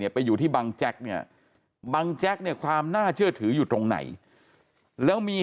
ไปอยู่ที่บังแจ็คบังแจ็คความน่าเชื่อถืออยู่ตรงไหนแล้วมี